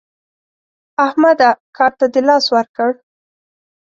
احمده کار ته دې لاس ورکړ؟